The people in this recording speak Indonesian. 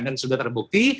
dan sudah terbukti